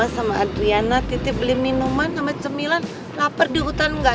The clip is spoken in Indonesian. sampai jumpa di video selanjutnya